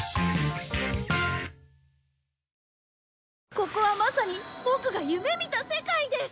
ここはまさにボクが夢見た世界です！